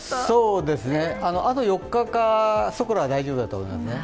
そうですね、あと４日かそこら大丈夫だと思いますね。